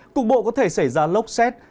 cục bộ có thể xảy ra lốc xét